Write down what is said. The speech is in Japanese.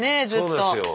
そうなんですよ。